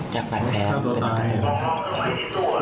จากปันแผนเป็นกระโดด